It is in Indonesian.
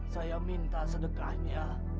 saya minta sedekahnya